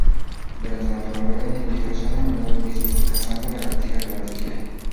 Durante la primavera individuos son a menudo vistos cazando lagartijas durante el día.